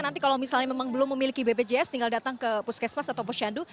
nanti kalau misalnya memang belum memiliki bpjs tinggal datang ke puskesmas atau posyandu